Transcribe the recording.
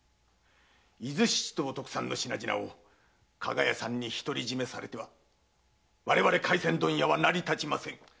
伊豆七島特産の品々を加賀屋さんに独り占めされては我々廻船問屋は成り立ちません。